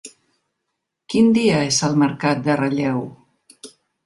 Quin dia és el mercat de Relleu?